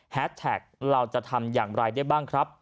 แท็กเราจะทำอย่างไรได้บ้างครับ